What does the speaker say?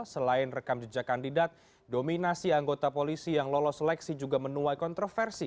selain rekam jejak kandidat dominasi anggota polisi yang lolos seleksi juga menuai kontroversi